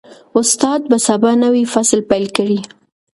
استاد به سبا نوی فصل پیل کړي.